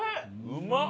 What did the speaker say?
うまっ！